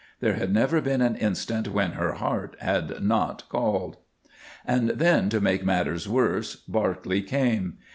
There had never been an instant when her heart had not called. And then, to make matters worse, Barclay came.